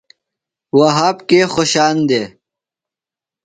وھاب کے خوشان دےۡ؟